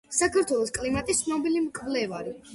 საქართველოს კლიმატის ცნობილი მკვლევარი.